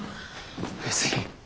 別に。